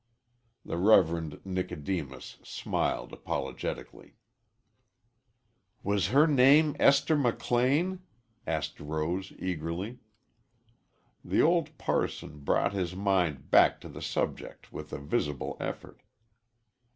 The Reverend Nicodemus smiled apologetically. "Was her name Esther McLean?" asked Rose eagerly. The old parson brought his mind back to the subject with a visible effort.